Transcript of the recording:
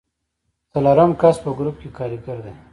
څلورم کس په ګروپ کې کاریګر دی.